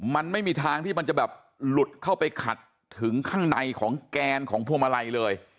มันไม่มีทางที่มันจะแบบหลุดเข้าไปขัดถึงข้างในของแกนของพวงมาลัยเลย